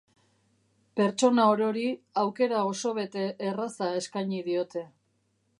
Pertsona orori aukera oso-bete erraza eskaini diote.